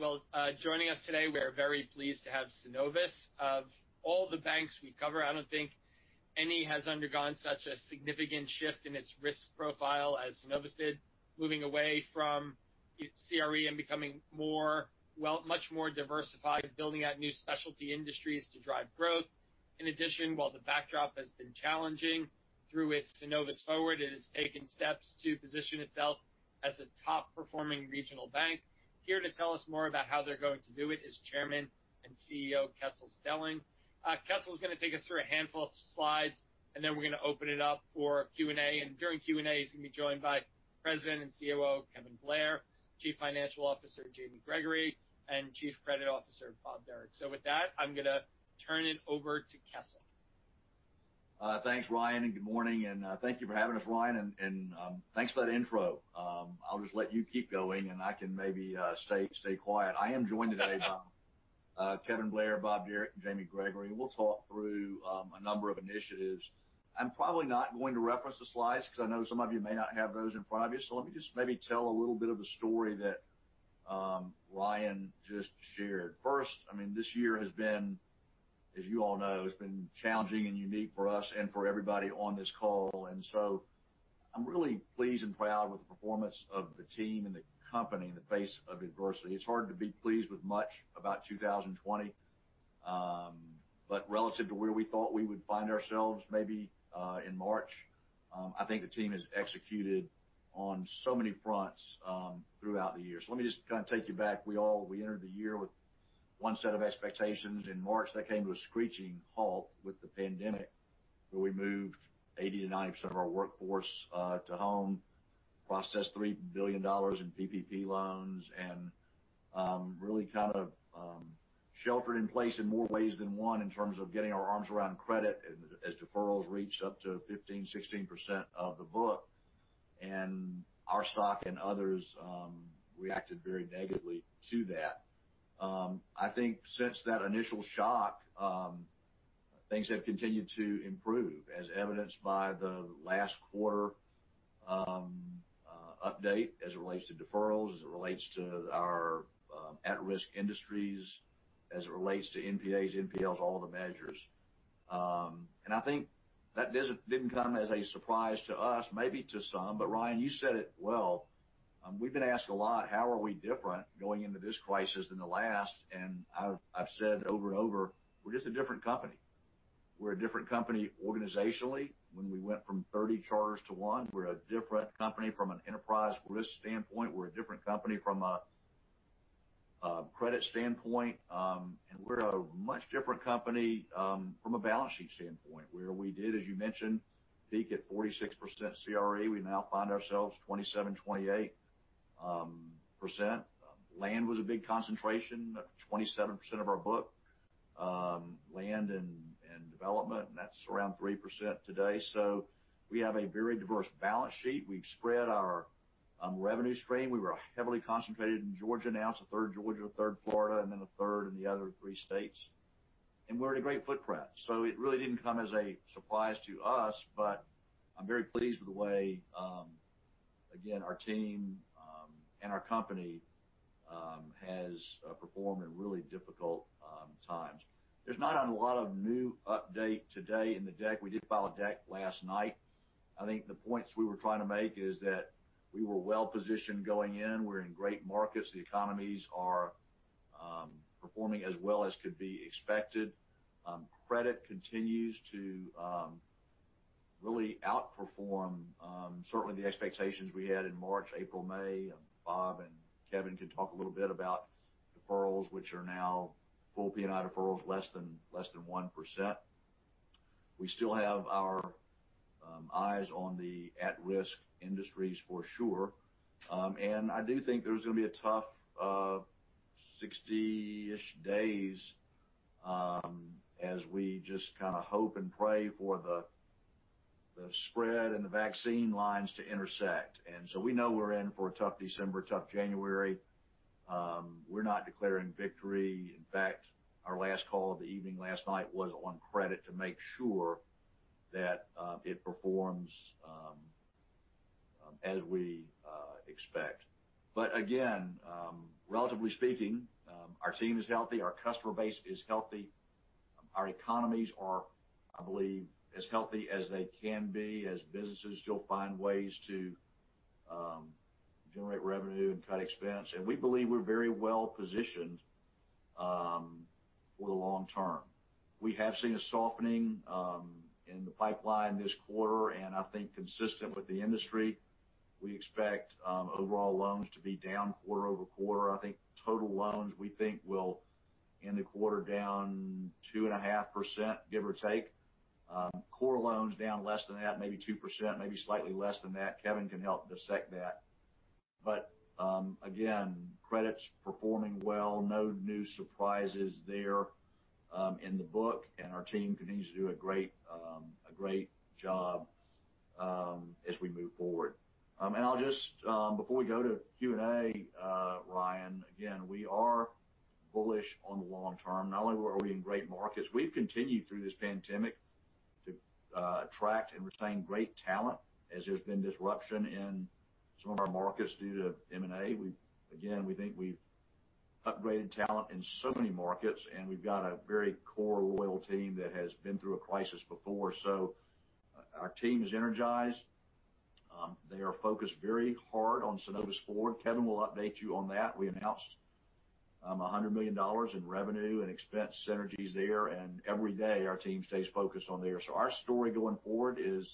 Well, joining us today, we are very pleased to have Synovus. Of all the banks we cover, I don't think any has undergone such a significant shift in its risk profile as Synovus did, moving away from it's CRE and becoming much more diversified, building out new specialty industries to drive growth. In addition, while the backdrop has been challenging, through its Synovus Forward, it has taken steps to position itself as a top-performing regional bank. Here to tell us more about how they're going to do it is Chairman and CEO, Kessel Stelling. Kessel is going to take us through a handful of slides, then we're going to open it up for Q&A. During Q&A, he's going to be joined by President and COO, Kevin Blair, Chief Financial Officer, Jamie Gregory, and Chief Credit Officer, Bob Derrick. With that, I'm going to turn it over to Kessel. Thanks, Ryan, and good morning. Thank you for having us, Ryan, and thanks for that intro. I'll just let you keep going, and I can maybe stay quiet. I am joined today by Kevin Blair, Bob Derrick, and Jamie Gregory. We'll talk through a number of initiatives. I'm probably not going to reference the slides because I know some of you may not have those in front of you. Let me just maybe tell a little bit of the story that Ryan just shared. First, this year has been, as you all know, challenging and unique for us and for everybody on this call. I'm really pleased and proud with the performance of the team and the company in the face of adversity. It's hard to be pleased with much about 2020. Relative to where we thought we would find ourselves maybe in March, I think the team has executed on so many fronts throughout the year. Let me just take you back. We entered the year with one set of expectations. In March, that came to a screeching halt with the pandemic, where we moved 80%-90% of our workforce to home, processed $3 billion in PPP loans, and really sheltered in place in more ways than one in terms of getting our arms around credit as deferrals reached up to 15%, 16% of the book. Our stock and others reacted very negatively to that. I think since that initial shock, things have continued to improve, as evidenced by the last quarter update as it relates to deferrals, as it relates to our at-risk industries, as it relates to NPAs, NPLs, all the measures. I think that didn't come as a surprise to us, maybe to some, but Ryan, you said it well. We've been asked a lot, how are we different going into this crisis than the last? I've said over and over, we're just a different company. We're a different company organizationally when we went from 30 charters to one. We're a different company from an enterprise risk standpoint. We're a different company from a credit standpoint. We're a much different company from a balance sheet standpoint, where we did, as you mentioned, peak at 46% CRE. We now find ourselves 27%-28%. Land was a big concentration, 27% of our book, land and development, and that's around 3% today. We have a very diverse balance sheet. We've spread our revenue stream. We were heavily concentrated in Georgia. It's a third Georgia, a third Florida, and then a third in the other three states. We're at a great footprint. It really didn't come as a surprise to us, but I'm very pleased with the way, again, our team and our company has performed in really difficult times. There's not a lot of new update today in the deck. We did file a deck last night. I think the points we were trying to make is that we were well-positioned going in. We're in great markets. The economies are performing as well as could be expected. Credit continues to really outperform certainly the expectations we had in March, April, May. Bob and Kevin can talk a little bit about deferrals, which are now full P&I deferrals, less than 1%. We still have our eyes on the at-risk industries for sure. I do think there's going to be a tough 60-ish days as we just kind of hope and pray for the spread and the vaccine lines to intersect. We know we're in for a tough December, tough January. We're not declaring victory. In fact, our last call of the evening last night was on credit to make sure that it performs as we expect. Again, relatively speaking, our team is healthy, our customer base is healthy. Our economies are, I believe, as healthy as they can be as businesses still find ways to generate revenue and cut expense. We believe we're very well positioned for the long term. We have seen a softening in the pipeline this quarter, and I think consistent with the industry, we expect overall loans to be down quarter-over-quarter. I think total loans, we think will end the quarter down 2.5%, give or take. Core loans down less than that, maybe 2%, maybe slightly less than that. Kevin can help dissect that. Again, credit's performing well. No new surprises there in the book, and our team continues to do a great job as we move forward. Before we go to Q&A, Ryan, again, we are bullish on the long term. Not only are we in great markets, we've continued through this pandemic to attract and retain great talent as there's been disruption in some of our markets due to M&A. Again, we think we've upgraded talent in so many markets, and we've got a very core, loyal team that has been through a crisis before. Our team is energized. They are focused very hard on Synovus Forward. Kevin will update you on that. We announced $100 million in revenue and expense synergies there, and every day our team stays focused on there. Our story going forward is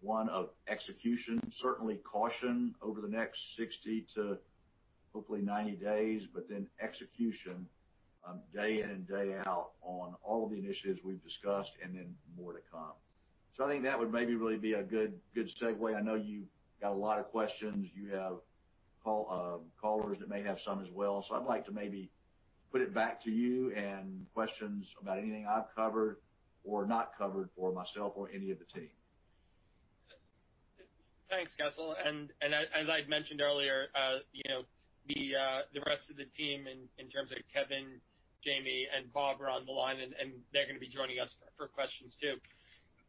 one of execution, certainly caution over the next 60 days to hopefully 90 days, but then execution day in and day out on all of the initiatives we've discussed and then more to come. I think that would maybe really be a good segue. I know you've got a lot of questions. You have callers that may have some as well. I'd like to maybe put it back to you and questions about anything I've covered or not covered for myself or any of the team. Thanks, Kessel. As I'd mentioned earlier, the rest of the team in terms of Kevin, Jamie, and Bob are on the line, and they're going to be joining us for questions too.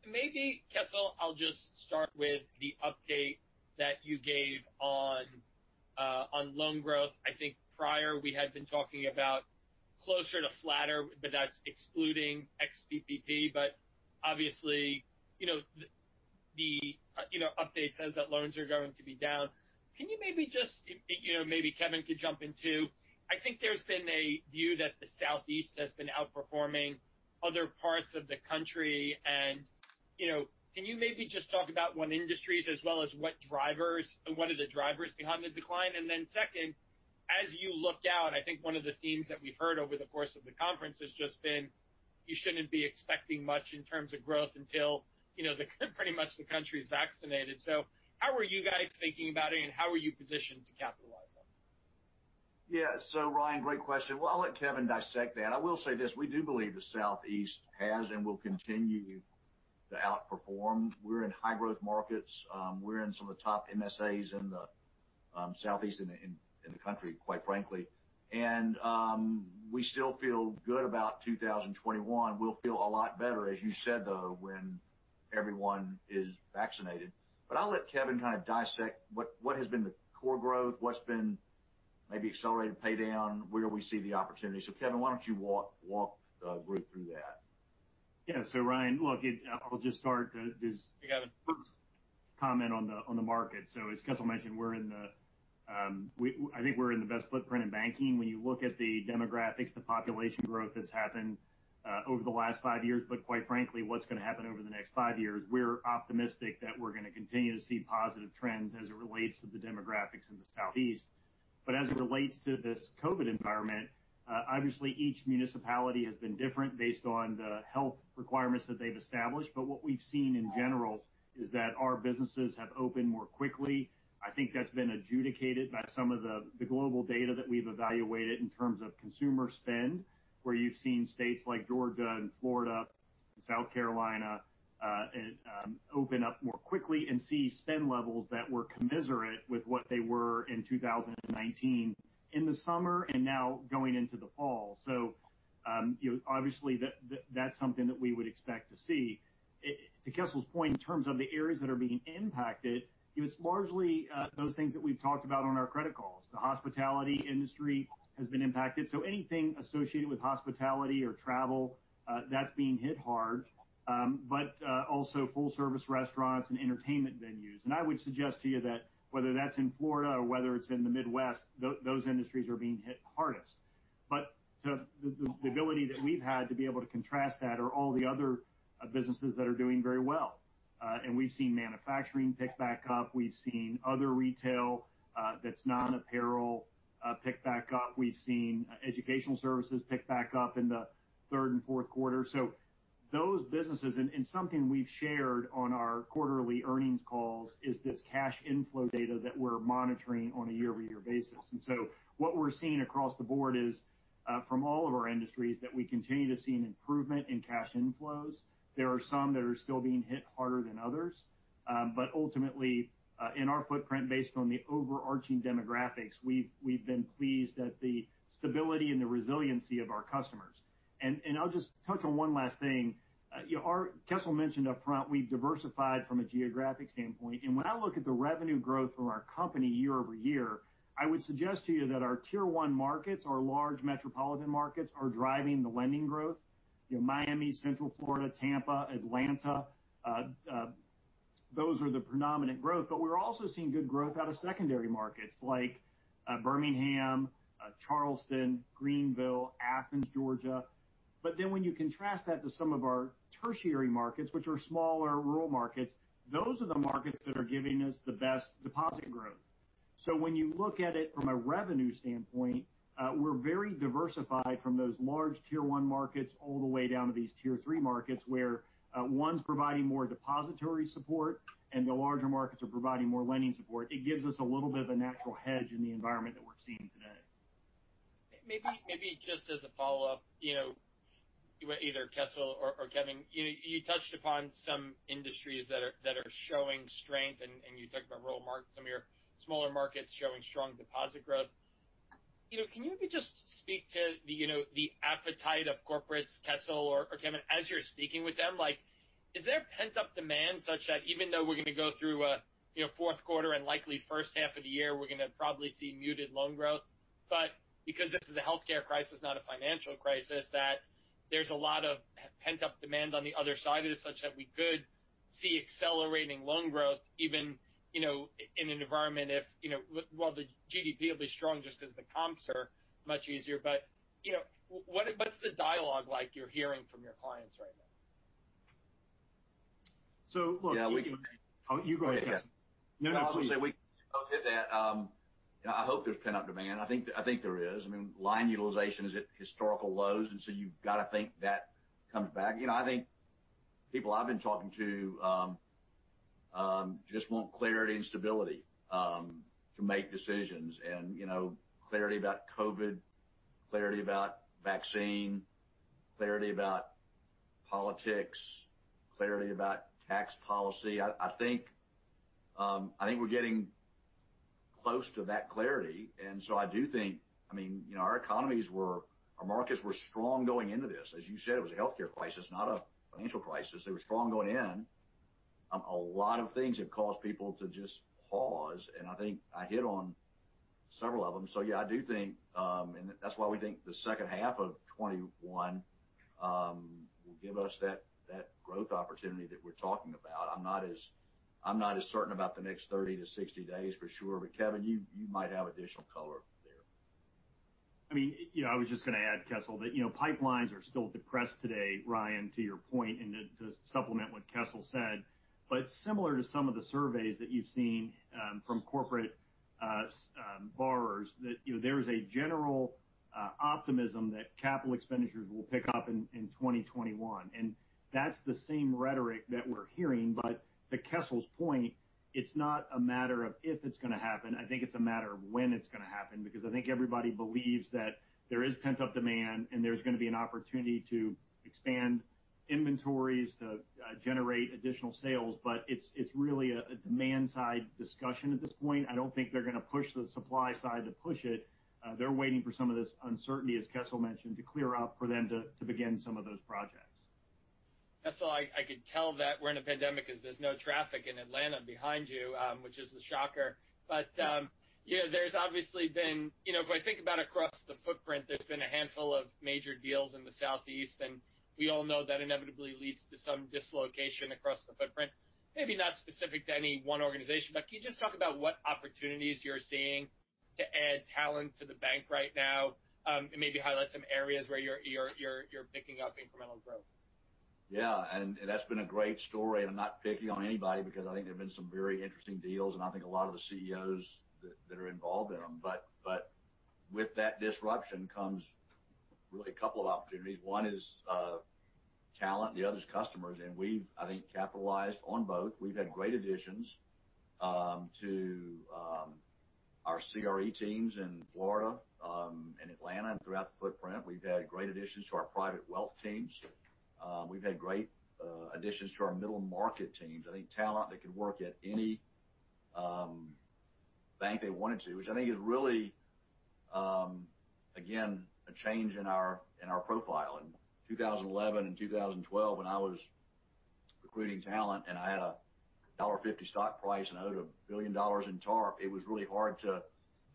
Maybe, Kessel, I'll just start with the update that you gave on loan growth. I think prior we had been talking about closer to flatter, but that's excluding ex-PPP, but obviously, the update says that loans are going to be down. Can you maybe Kevin could jump in too. I think there's been a view that the Southeast has been outperforming other parts of the country and can you maybe just talk about what industries as well as what are the drivers behind the decline? Second, as you look out, I think one of the themes that we've heard over the course of the conference has just been, you shouldn't be expecting much in terms of growth until pretty much the country is vaccinated. How are you guys thinking about it, and how are you positioned to capitalize on it? Yeah. Ryan, great question. I'll let Kevin dissect that. I will say this, we do believe the Southeast has and will continue to outperform. We're in high growth markets. We're in some of the top MSAs in the Southeast in the country, quite frankly. We still feel good about 2021. We'll feel a lot better, as you said, though, when everyone is vaccinated. I'll let Kevin kind of dissect what has been the core growth, what's been maybe accelerated pay down, where we see the opportunity. Kevin, why don't you walk the group through that? Yeah. Ryan, look, I'll just start to- Hey, Kevin. ...comment on the market. As Kessel mentioned, I think we're in the best footprint in banking. When you look at the demographics, the population growth that's happened over the last five years, but quite frankly, what's going to happen over the next five years, we're optimistic that we're going to continue to see positive trends as it relates to the demographics in the Southeast. As it relates to this COVID environment, obviously each municipality has been different based on the health requirements that they've established. What we've seen in general is that our businesses have opened more quickly. I think that's been adjudicated by some of the global data that we've evaluated in terms of consumer spend, where you've seen states like Georgia and Florida, South Carolina open up more quickly and see spend levels that were commensurate with what they were in 2019 in the summer and now going into the fall. Obviously that's something that we would expect to see. To Kessel's point, in terms of the areas that are being impacted, it was largely those things that we've talked about on our credit calls. The hospitality industry has been impacted. Anything associated with hospitality or travel, that's being hit hard. Also full service restaurants and entertainment venues. I would suggest to you that whether that's in Florida or whether it's in the Midwest, those industries are being hit hardest. The ability that we've had to be able to contrast that are all the other businesses that are doing very well. We've seen manufacturing pick back up. We've seen other retail that's non-apparel pick back up. We've seen educational services pick back up in the third and fourth quarter. Those businesses, and something we've shared on our quarterly earnings calls is this cash inflow data that we're monitoring on a year-over-year basis. What we're seeing across the board is from all of our industries, that we continue to see an improvement in cash inflows. There are some that are still being hit harder than others. Ultimately, in our footprint based on the overarching demographics, we've been pleased at the stability and the resiliency of our customers. I'll just touch on one last thing. Kessel mentioned upfront, we've diversified from a geographic standpoint. When I look at the revenue growth from our company year-over-year, I would suggest to you that our tier one markets, our large metropolitan markets, are driving the lending growth. Miami, Central Florida, Tampa, Atlanta, those are the predominant growth. We're also seeing good growth out of secondary markets like Birmingham, Charleston, Greenville, Athens, Georgia. When you contrast that to some of our tertiary markets, which are smaller rural markets, those are the markets that are giving us the best deposit growth. When you look at it from a revenue standpoint, we're very diversified from those large tier one markets all the way down to these tier three markets where one's providing more depository support and the larger markets are providing more lending support. It gives us a little bit of a natural hedge in the environment that we're seeing today. Maybe just as a follow-up, Either Kessel or Kevin. You touched upon some industries that are showing strength, and you talked about rural markets, some of your smaller markets showing strong deposit growth. Can you just speak to the appetite of corporates, Kessel or Kevin, as you're speaking with them? Is there a pent-up demand such that even though we're going to go through a fourth quarter and likely first half of the year, we're going to probably see muted loan growth, but because this is a healthcare crisis, not a financial crisis, that there's a lot of pent-up demand on the other side of this such that we could see accelerating loan growth even in an environment well, the GDP will be strong just because the comps are much easier. What's the dialogue like you're hearing from your clients right now? So look- Yeah. You go ahead. Yeah. No, please. I was going to say, we both hit that. I hope there's pent-up demand. I think there is. Line utilization is at historical lows. You've got to think that comes back. I think people I've been talking to just want clarity and stability to make decisions and clarity about COVID, clarity about vaccine, clarity about politics, clarity about tax policy. I think we're getting close to that clarity. I do think our economies were, our markets were strong going into this. As you said, it was a healthcare crisis, not a financial crisis. They were strong going in. A lot of things have caused people to just pause, and I think I hit on several of them. Yeah, I do think, and that's why we think the second half of 2021 will give us that growth opportunity that we're talking about. I'm not as certain about the next 30 days-60 days for sure. Kevin, you might have additional color there. I was just going to add, Kessel, that pipelines are still depressed today, Ryan, to your point, and to supplement what Kessel said. Similar to some of the surveys that you've seen from corporate borrowers, that there is a general optimism that capital expenditures will pick up in 2021. That's the same rhetoric that we're hearing. To Kessel's point, it's not a matter of if it's going to happen, I think it's a matter of when it's going to happen. Because I think everybody believes that there is pent-up demand, and there's going to be an opportunity to expand inventories to generate additional sales. It's really a demand-side discussion at this point. I don't think they're going to push the supply side to push it. They're waiting for some of this uncertainty, as Kessel mentioned, to clear up for them to begin some of those projects. Kessel, I could tell that we're in a pandemic because there's no traffic in Atlanta behind you, which is a shocker. If I think about across the footprint, there's been a handful of major deals in the Southeast, and we all know that inevitably leads to some dislocation across the footprint. Maybe not specific to any one organization, can you just talk about what opportunities you're seeing to add talent to the bank right now? Maybe highlight some areas where you're picking up incremental growth. Yeah. That's been a great story, and I'm not picking on anybody because I think there have been some very interesting deals, and I think a lot of the CEOs that are involved in them. With that disruption comes really a couple of opportunities. One is talent, the other's customers. We've, I think, capitalized on both. We've had great additions to our CRE teams in Florida, and Atlanta, and throughout the footprint. We've had great additions to our private wealth teams. We've had great additions to our middle market teams. I think talent that could work at any bank they wanted to, which I think is really, again, a change in our profile. In 2011 and 2012, when I was recruiting talent and I had a $1.50 stock price and I owed $1 billion in TARP, it was really hard to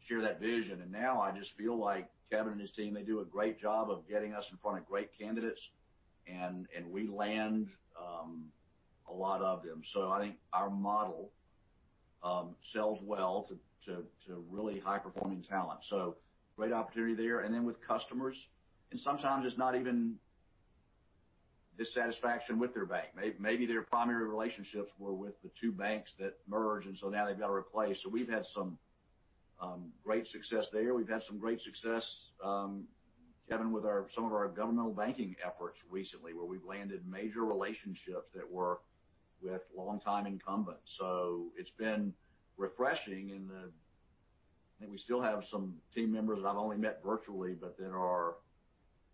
share that vision. Now I just feel like Kevin and his team, they do a great job of getting us in front of great candidates, and we land a lot of them. I think our model sells well to really high-performing talent. Great opportunity there. Then with customers, and sometimes it's not even dissatisfaction with their bank. Maybe their primary relationships were with the two banks that merged, and so now they've got to replace. We've had some great success there. We've had some great success, Kevin, with some of our governmental banking efforts recently, where we've landed major relationships that were with longtime incumbents. It's been refreshing in that I think we still have some team members that I've only met virtually, but that are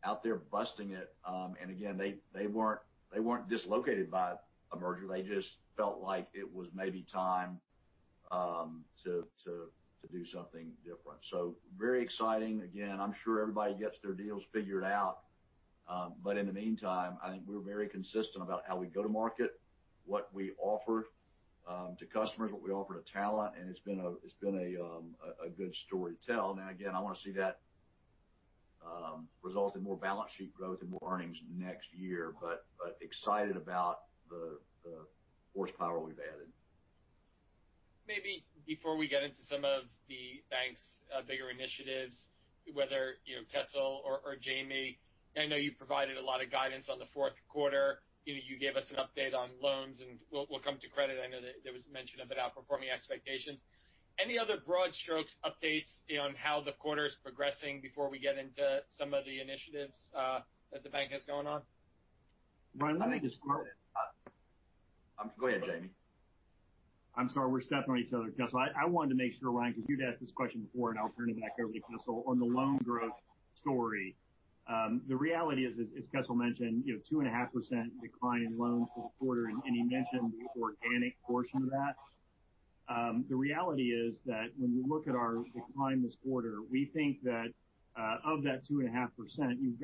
out there busting it. Again, they weren't dislocated by a merger. They just felt like it was maybe time to do something different. Very exciting. Again, I'm sure everybody gets their deals figured out. In the meantime, I think we're very consistent about how we go to market, what we offer to customers, what we offer to talent, and it's been a good story to tell. Now, again, I want to see that result in more balance sheet growth and more earnings next year. Excited about the horsepower we've added. Maybe before we get into some of the bank's bigger initiatives, whether Kessel or Jamie, I know you provided a lot of guidance on the fourth quarter. You gave us an update on loans. We'll come to credit. I know that there was mention of it outperforming expectations. Any other broad strokes updates on how the quarter's progressing before we get into some of the initiatives that the bank has going on? Ryan, Go ahead, Jamie. I'm sorry, we're stepping on each other, Kessel. I wanted to make sure, Ryan, because you'd asked this question before. I'll turn it back over to Kessel. On the loan growth story, the reality is, as Kessel mentioned, 2.5% decline in loans this quarter, and he mentioned the organic portion of that. The reality is that when we look at our decline this quarter, we think that of that 2.5%, you've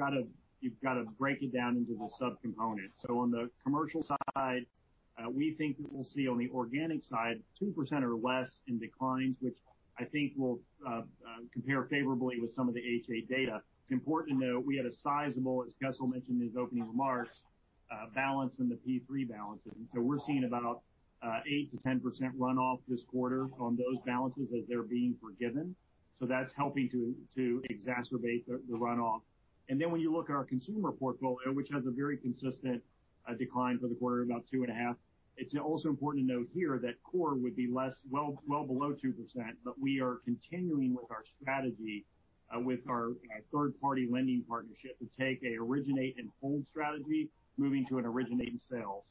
got to break it down into the subcomponents. On the commercial side, we think that we'll see on the organic side, 2% or less in declines, which I think will compare favorably with some of the H.8 data. It's important to note we had a sizable, as Kessel mentioned in his opening remarks, balance in the PPP balances. We're seeing about 8%-10% runoff this quarter on those balances as they're being forgiven. That's helping to exacerbate the runoff. When you look at our consumer portfolio, which has a very consistent decline for the quarter, about 2.5%, it's also important to note here that core would be less, well below 2%, but we are continuing with our strategy with our third-party lending partnership to take an originate and hold strategy, moving to an originate and sell.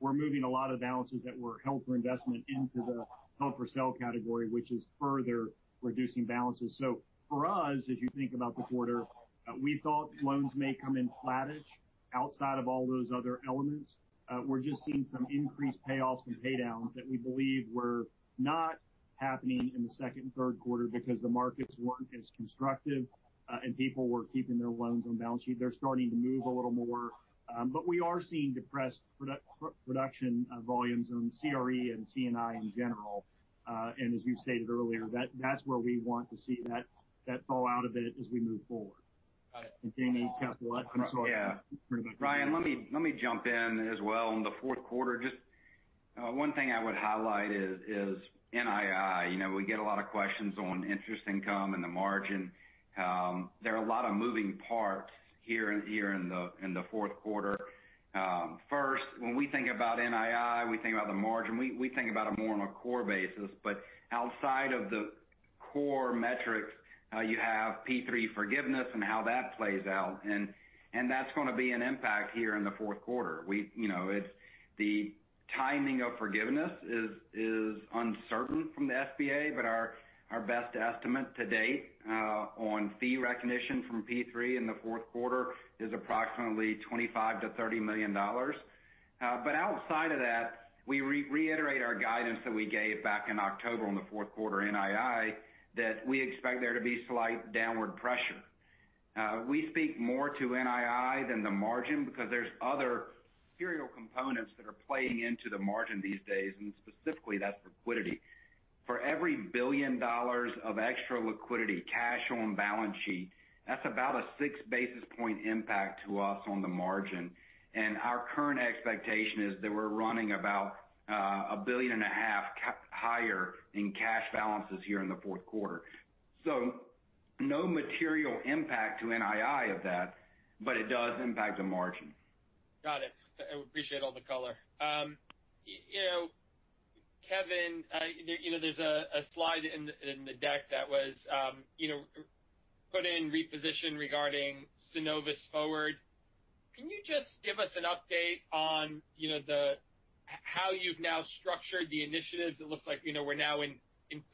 We're moving a lot of balances that were held for investment into the held for sale category, which is further reducing balances. For us, as you think about the quarter, we thought loans may come in flattish outside of all those other elements. We're just seeing some increased payoffs and pay downs that we believe were not happening in the second and third quarter because the markets weren't as constructive, and people were keeping their loans on balance sheet. They're starting to move a little more. We are seeing depressed production volumes on CRE and C&I in general. As you stated earlier, that's where we want to see that fall out a bit as we move forward. Got it. Jamie, Kessel, I'm sorry. Yeah. Ryan, let me jump in as well. On the fourth quarter, just one thing I would highlight is NII. We get a lot of questions on interest income and the margin. There are a lot of moving parts here in the fourth quarter. First, when we think about NII, we think about the margin. We think about it more on a core basis. Outside of the core metrics, you have PPP forgiveness and how that plays out. That's going to be an impact here in the fourth quarter. The timing of forgiveness is uncertain from the SBA, but our best estimate to date on fee recognition from PPP in the fourth quarter is approximately $25 million-$30 million. Outside of that, we reiterate our guidance that we gave back in October on the fourth quarter NII, that we expect there to be slight downward pressure. We speak more to NII than the margin because there's other material components that are playing into the margin these days, and specifically, that's liquidity. For every billion dollars of extra liquidity, cash on balance sheet, that's about a six basis point impact to us on the margin. Our current expectation is that we're running about $1.5 billion higher in cash balances here in the fourth quarter. No material impact to NII of that, but it does impact the margin. Got it. I appreciate all the color. Kevin, there's a slide in the deck that was put in reposition regarding Synovus Forward. Can you just give us an update on how you've now structured the initiatives? It looks like we're now in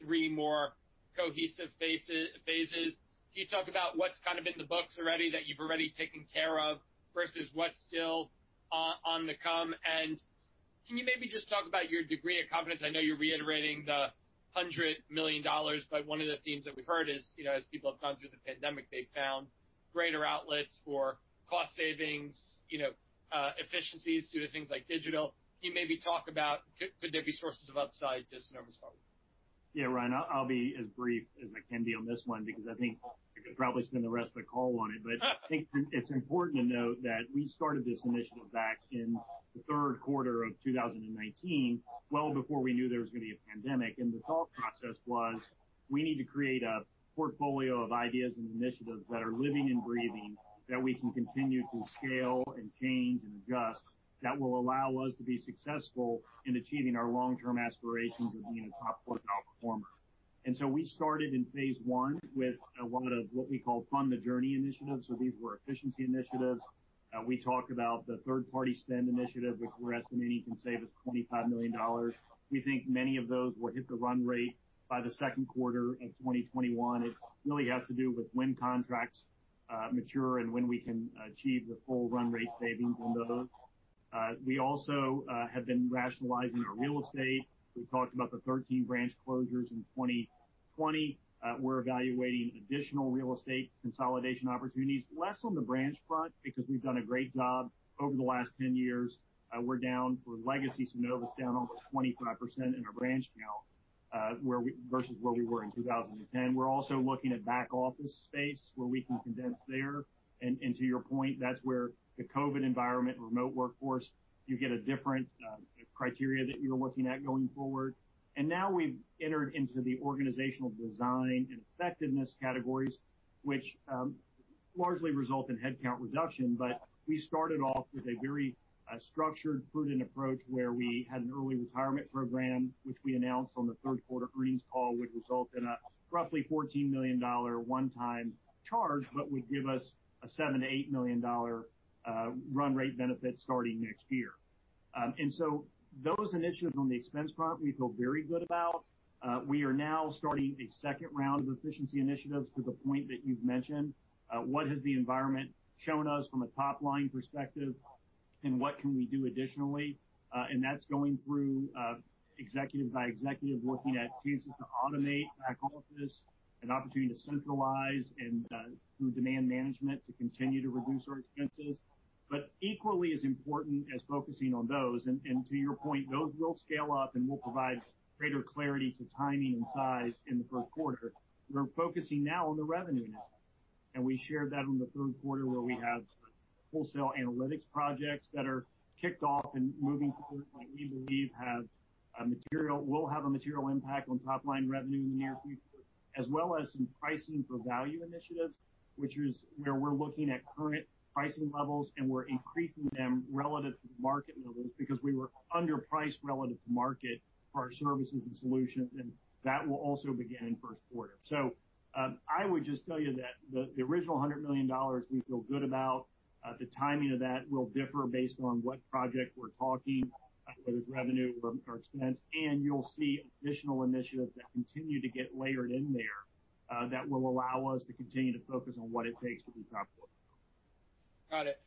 three more cohesive phases. Can you talk about what's in the books already that you've already taken care of versus what's still on the come? Can you maybe just talk about your degree of confidence? I know you're reiterating the $100 million, but one of the themes that we've heard is, as people have gone through the pandemic, they've found greater outlets for cost savings, efficiencies due to things like digital. Can you maybe talk about could there be sources of upside to Synovus Forward? Yeah, Ryan, I'll be as brief as I can be on this one because I think I could probably spend the rest of the call on it. I think it's important to note that we started this initiative back in the third quarter of 2019, well before we knew there was going to be a pandemic. The thought process was, we need to create a portfolio of ideas and initiatives that are living and breathing that we can continue to scale and change and adjust that will allow us to be successful in achieving our long-term aspirations of being a top quarter performer. We started in phase one with a lot of what we call Fund the Journey Initiatives. These were efficiency initiatives. We talked about the Third-Party Spend Initiative, which we're estimating can save us $25 million. We think many of those will hit the run rate by the second quarter of 2021. It really has to do with when contracts mature and when we can achieve the full run rate savings on those. We also have been rationalizing our real estate. We talked about the 13 branch closures in 2020. We're evaluating additional real estate consolidation opportunities, less on the branch front because we've done a great job over the last 10 years. We're down from legacy Synovus down over 25% in our branch count versus where we were in 2010. We're also looking at back office space where we can condense there. To your point, that's where the COVID environment, remote workforce, you get a different criteria that you're looking at going forward. Now we've entered into the organizational design and effectiveness categories, which largely result in headcount reduction. We started off with a very structured, prudent approach where we had an early retirement program, which we announced on the third quarter earnings call would result in a roughly $14 million one-time charge, but would give us a $7 million-$8 million run rate benefit starting next year. Those initiatives on the expense front, we feel very good about. We are now starting a second round of efficiency initiatives to the point that you've mentioned. What has the environment shown us from a top-line perspective, and what can we do additionally? That's going through executive by executive, looking at chances to automate back office, an opportunity to centralize and through demand management to continue to reduce our expenses. Equally as important as focusing on those, and to your point, those will scale up and we'll provide greater clarity to timing and size in the third quarter. We're focusing now on the revenue now, and we shared that on the third quarter, where we have wholesale analytics projects that are kicked off and moving to a point we believe will have a material impact on top-line revenue in the near future. As well as some pricing for value initiatives, which is where we're looking at current pricing levels, and we're increasing them relative to market levels because we were underpriced relative to market for our services and solutions. That will also begin in first quarter. I would just tell you that the original $100 million we feel good about. The timing of that will differ based on what project we're talking, whether it's revenue or expense, and you'll see additional initiatives that continue to get layered in there that will allow us to continue to focus on what it takes to be profitable. Got it.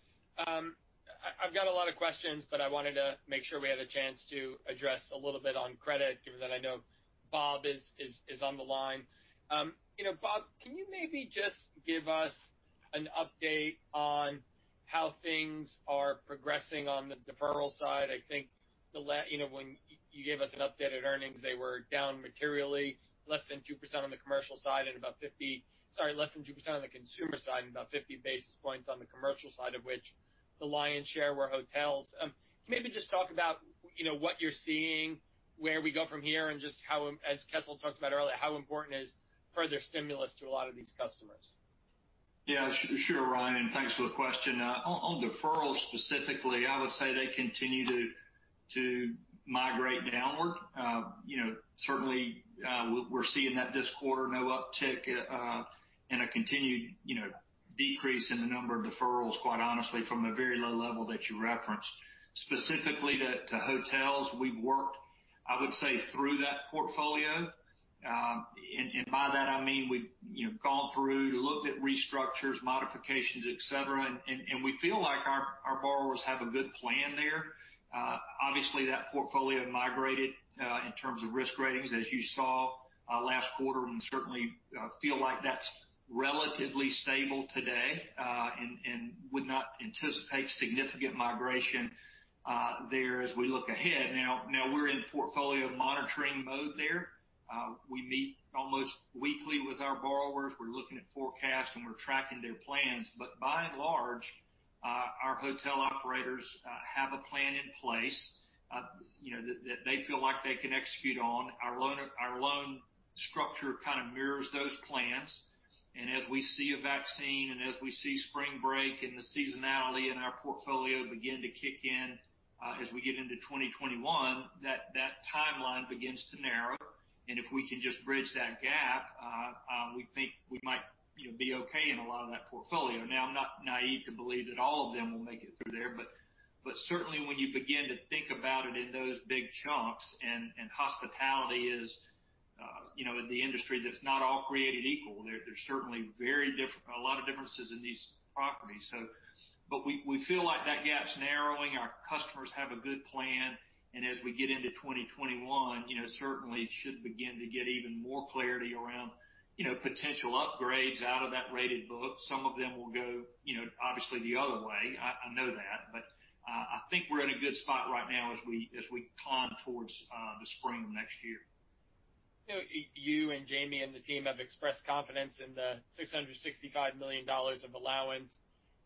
I've got a lot of questions, but I wanted to make sure we had a chance to address a little bit on credit, given that I know Bob is on the line. Bob, can you maybe just give us an update on how things are progressing on the deferral side? I think when you gave us an update at earnings, they were down materially less than 2% on the commercial side and sorry, less than 2% on the consumer side and about 50 basis points on the commercial side, of which the lion's share were hotels. Can you maybe just talk about what you're seeing, where we go from here, and just how, as Kessel talked about earlier, how important is further stimulus to a lot of these customers? Yeah, sure, Ryan. Thanks for the question. On deferrals specifically, I would say they continue to migrate downward. Certainly, we're seeing that this quarter, no uptick and a continued decrease in the number of deferrals, quite honestly, from a very low level that you referenced. Specifically to hotels, we've worked, I would say, through that portfolio. By that I mean we've gone through, looked at restructures, modifications, et cetera, and we feel like our borrowers have a good plan there. Obviously, that portfolio migrated in terms of risk ratings, as you saw last quarter, and certainly feel like that's relatively stable today and would not anticipate significant migration there as we look ahead. Now, we're in portfolio monitoring mode there. We meet almost weekly with our borrowers. We're looking at forecasts, and we're tracking their plans. By and large, our hotel operators have a plan in place that they feel like they can execute on. Our loan structure kind of mirrors those plans. As we see a vaccine, and as we see spring break and the seasonality in our portfolio begin to kick in as we get into 2021, that timeline begins to narrow. If we can just bridge that gap, we think we might be okay in a lot of that portfolio. I'm not naive to believe that all of them will make it through there, but certainly when you begin to think about it in those big chunks, and hospitality is the industry that's not all created equal. There's certainly a lot of differences in these properties. We feel like that gap's narrowing. Our customers have a good plan, and as we get into 2021, certainly should begin to get even more clarity around potential upgrades out of that rated book. Some of them will go obviously the other way, I know that. I think we're in a good spot right now as we climb towards the spring of next year. You and Jamie and the team have expressed confidence in the $665 million of allowance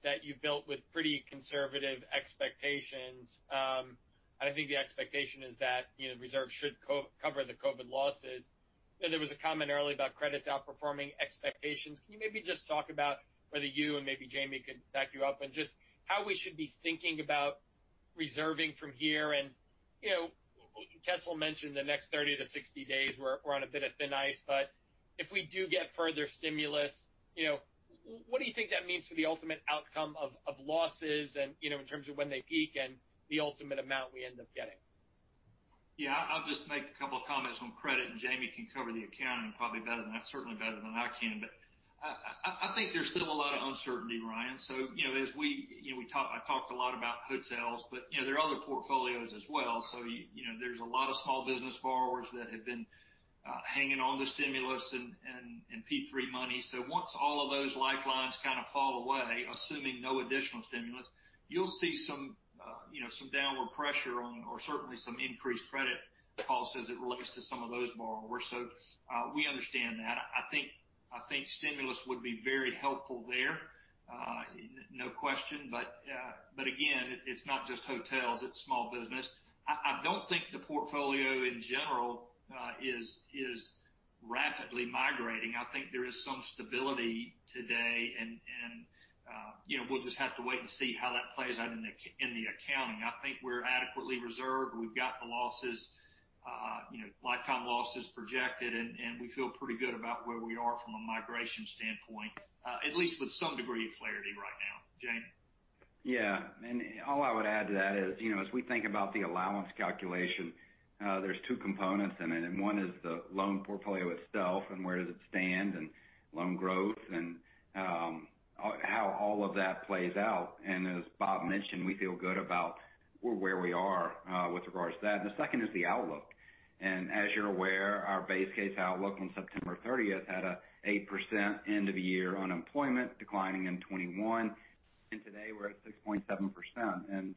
that you built with pretty conservative expectations. I think the expectation is that reserves should cover the COVID losses. There was a comment earlier about credits outperforming expectations. Can you maybe just talk about whether you, and maybe Jamie could back you up, on just how we should be thinking about reserving from here and, Kessel mentioned the next 30 days-60 days we're on a bit of thin ice, but if we do get further stimulus, what do you think that means for the ultimate outcome of losses and in terms of when they peak and the ultimate amount we end up getting? Yeah. I'll just make a couple of comments on credit, and Jamie can cover the accounting probably better than I, certainly better than I can. I think there's still a lot of uncertainty, Ryan. I talked a lot about hotels, but there are other portfolios as well. There's a lot of small business borrowers that have been hanging on to stimulus and PPP money. Once all of those lifelines kind of fall away, assuming no additional stimulus, you'll see some downward pressure or certainly some increased credit costs as it relates to some of those borrowers. We understand that. I think stimulus would be very helpful there, no question. Again, it's not just hotels, it's small business. I don't think the portfolio in general is rapidly migrating. I think there is some stability today, and we'll just have to wait and see how that plays out in the accounting. I think we're adequately reserved. We've got the losses, lifetime losses projected, and we feel pretty good about where we are from a migration standpoint, at least with some degree of clarity right now. Jamie? Yeah. All I would add to that is, as we think about the allowance calculation, there's two components in it. One is the loan portfolio itself and where does it stand and loan growth and how all of that plays out. As Bob mentioned, we feel good about where we are with regards to that. The second is the outlook. As you're aware, our base case outlook on September 30th had an 8% end-of-year unemployment declining in 2021. Today, we're at 6.7%.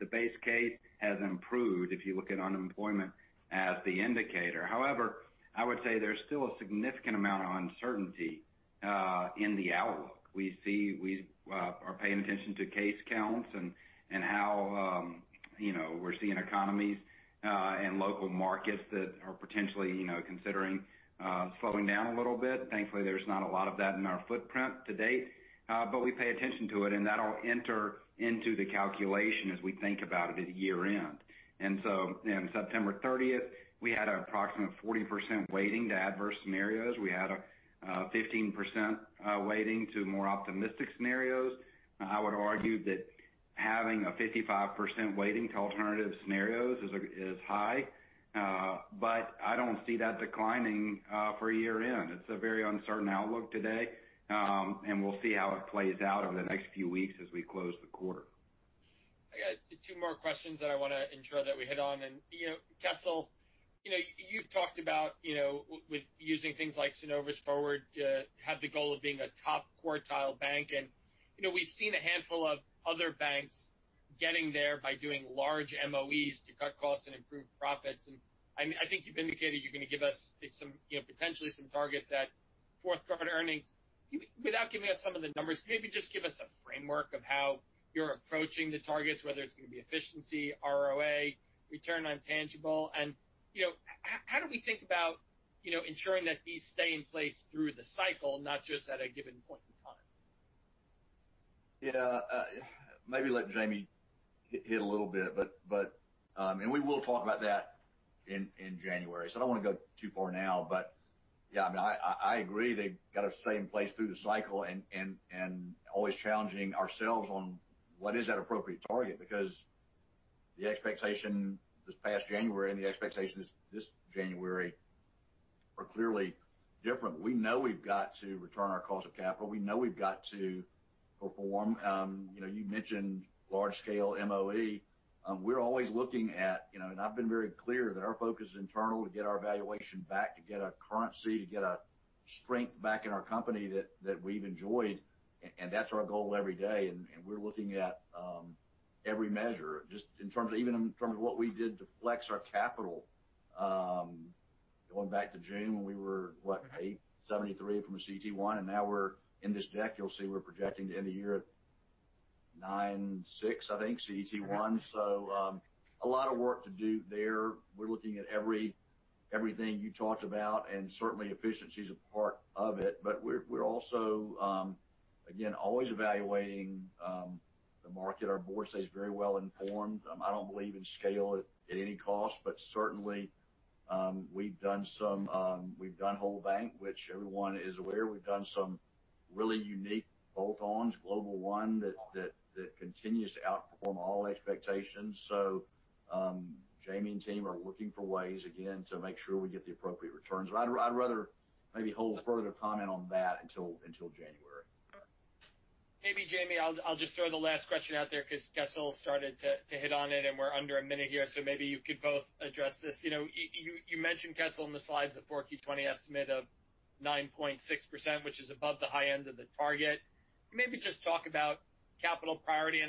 The base case has improved if you look at unemployment as the indicator. However, I would say there's still a significant amount of uncertainty in the outlook. We are paying attention to case counts and how we're seeing economies and local markets that are potentially considering slowing down a little bit. Thankfully, there's not a lot of that in our footprint to date. We pay attention to it, and that'll enter into the calculation as we think about it at year-end. On September 30th, we had an approximate 40% weighting to adverse scenarios. We had a 15% weighting to more optimistic scenarios. I would argue that having a 55% weighting to alternative scenarios is high. I don't see that declining for year-end. It's a very uncertain outlook today, and we'll see how it plays out over the next few weeks as we close the quarter. I got two more questions that I want to ensure that we hit on. Kessel, you've talked about using things like Synovus Forward to have the goal of being a top quartile bank. We've seen a handful of other banks getting there by doing large MOEs to cut costs and improve profits. I think you've indicated you're going to give us potentially some targets at fourth quarter earnings. Without giving us some of the numbers, maybe just give us a framework of how you're approaching the targets, whether it's going to be efficiency, ROA, return on tangible. How do we think about ensuring that these stay in place through the cycle, not just at a given point in time? Yeah. Maybe let Jamie hit a little bit. We will talk about that in January, so I don't want to go too far now. Yeah, I agree. They've got to stay in place through the cycle and always challenging ourselves on what is that appropriate target, because the expectation this past January and the expectations this January are clearly different. We know we've got to return our cost of capital. We know we've got to perform. You mentioned large scale MOE. We're always looking at, and I've been very clear that our focus is internal to get our valuation back, to get our currency, to get our strength back in our company that we've enjoyed. That's our goal every day. We're looking at every measure, even in terms of what we did to flex our capital, going back to June when we were, what, 8.73% from a CET1, and now we're in this deck, you'll see we're projecting the end of year at 9.6%, I think, CET1. A lot of work to do there. We're looking at everything you talked about, and certainly efficiency is a part of it. We're also, again, always evaluating the market. Our board stays very well informed. I don't believe in scale at any cost, but certainly, we've done whole bank, which everyone is aware. We've done some really unique bolt-ons, Global One, that continues to outperform all expectations. Jamie and team are looking for ways again to make sure we get the appropriate returns. I'd rather maybe hold further comment on that until January. Maybe Jamie, I'll just throw the last question out there because Kessel started to hit on it and we're under a minute here, so maybe you could both address this. You mentioned, Kessel, in the slides, the Q 2020 estimate of 9.6%, which is above the high end of the target.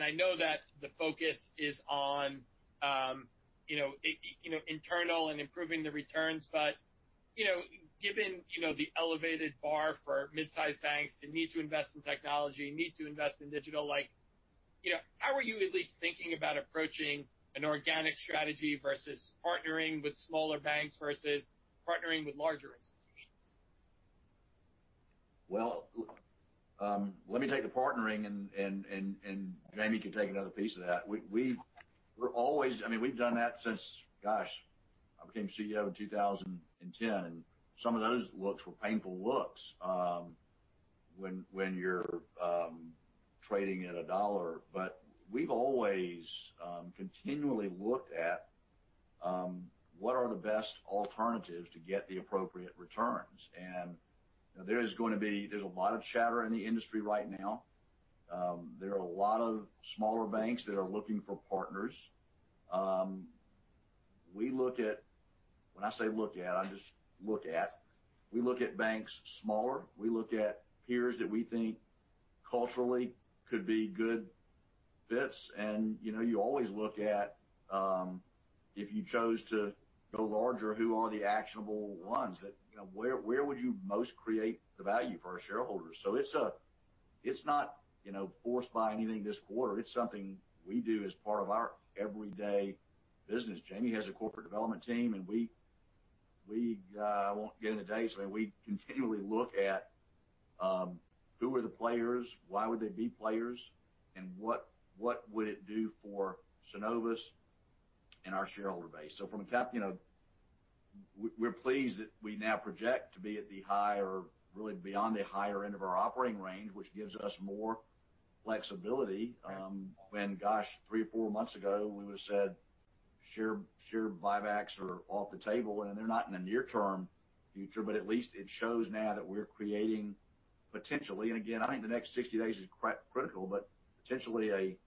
I know that the focus is on internal and improving the returns. Given the elevated bar for midsize banks to need to invest in technology, need to invest in digital, how are you at least thinking about approaching an organic strategy versus partnering with smaller banks versus partnering with larger institutions? Well, let me take the partnering and Jamie can take another piece of that. We've done that since, gosh, I became CEO in 2010, and some of those looks were painful looks when you're trading at $1. We've always continually looked at what are the best alternatives to get the appropriate returns. There's a lot of chatter in the industry right now. There are a lot of smaller banks that are looking for partners. When I say look at, I just look at. We look at banks smaller. We look at peers that we think culturally could be good fits. You always look at, if you chose to go larger, who are the actionable ones? Where would you most create the value for our shareholders? It's not forced by anything this quarter. It's something we do as part of our everyday business. Jamie has a corporate development team, and I won't get into dates, but we continually look at who are the players, why would they be players, and what would it do for Synovus and our shareholder base. We're pleased that we now project to be at the higher, really beyond the higher end of our operating range, which gives us more flexibility. When, gosh, three or four months ago, we would've said share buybacks are off the table, and they're not in the near-term future, but at least it shows now that we're creating potentially, and again, I think the next 60 days is critical, but potentially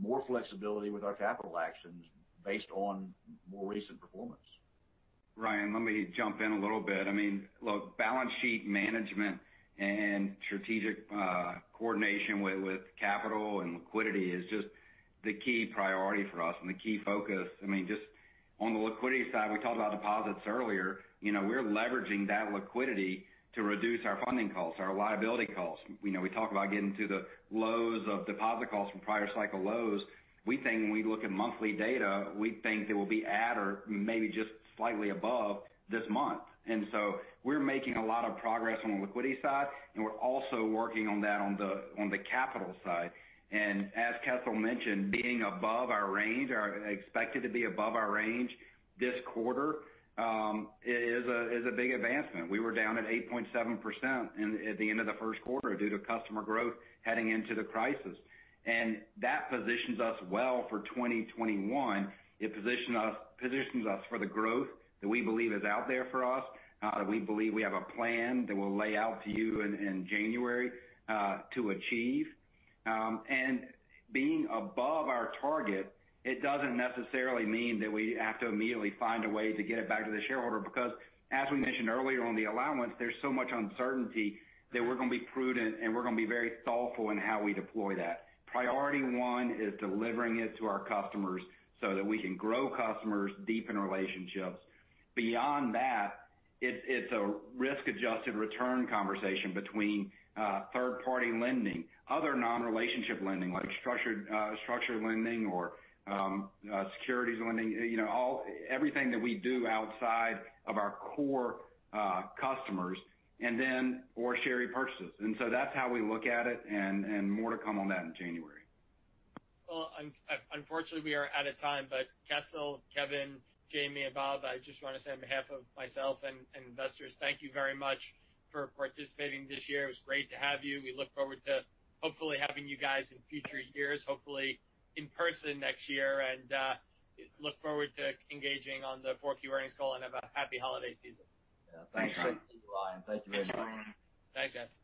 more flexibility with our capital actions based on more recent performance. Ryan, let me jump in a little bit. Look, balance sheet management and strategic coordination with capital and liquidity is just the key priority for us and the key focus. Just on the liquidity side, we talked about deposits earlier. We're leveraging that liquidity to reduce our funding costs, our liability costs. We talk about getting to the lows of deposit costs from prior cycle lows. When we look at monthly data, we think it will be at or maybe just slightly above this month. We're making a lot of progress on the liquidity side, and we're also working on that on the capital side. As Kessel mentioned, being above our range or expected to be above our range this quarter is a big advancement. We were down at 8.7% at the end of the first quarter due to customer growth heading into the crisis. That positions us well for 2021. It positions us for the growth that we believe is out there for us, that we believe we have a plan that we'll lay out to you in January to achieve. Being above our target, it doesn't necessarily mean that we have to immediately find a way to get it back to the shareholder because, as we mentioned earlier on the allowance, there's so much uncertainty that we're going to be prudent and we're going to be very thoughtful in how we deploy that. Priority one is delivering it to our customers so that we can grow customers, deepen relationships. Beyond that, it's a risk-adjusted return conversation between third-party lending, other non-relationship lending, like structured lending or securities lending, everything that we do outside of our core customers, and then for share repurchases. That's how we look at it, and more to come on that in January. Well, unfortunately, we are out of time, but Kessel, Kevin, Jamie, and Bob, I just want to say on behalf of myself and investors, thank you very much for participating this year. It was great to have you. We look forward to hopefully having you guys in future years, hopefully in person next year, and look forward to engaging on the 4Q earnings call and have a happy holiday season. Yeah. Thanks. Thanks, Ryan. Thank you very much. Thanks, guys.